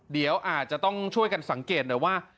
เดี๋ยวอาจจะต้องช่วยกันสังเกตหน่อยว่า